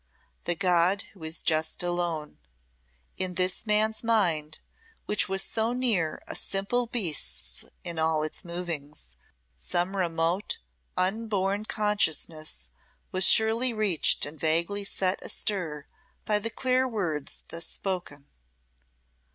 The God who is just alone. In this man's mind, which was so near a simple beast's in all its movings, some remote, unborn consciousness was surely reached and vaguely set astir by the clear words thus spoken.